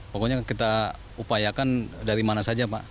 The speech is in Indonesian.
pokoknya kita upayakan dari mana saja pak